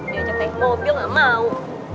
dia ajak naik mobil gak mau